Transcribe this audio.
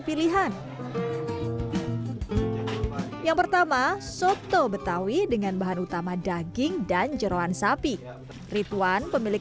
pilihan yang pertama soto betawi dengan bahan utama daging dan jerawan sapi rituan pemilik